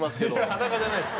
裸じゃないです。